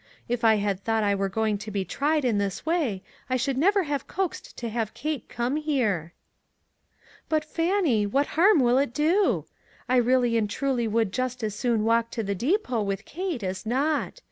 If I had thought I were going to be tried in this way, I should never have coaxed to have Kate come here." "But Fannie, what harm will it do? I really and truly would just as soon walk to the depot with Kate as not.